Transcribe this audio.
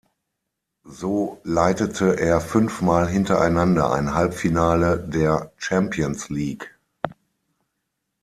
So leitete er fünfmal hintereinander ein Halbfinale der Champions League.